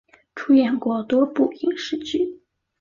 出演过多部影视剧。